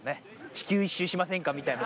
地球一周しませんかみたいな。